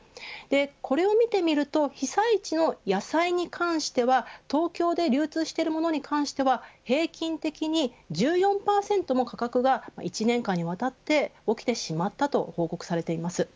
これを見てみると被災地の野菜に関しては東京で流通しているものに関しては平均的に１４％も価格が１年間にわたって起きてしまったと報告されています。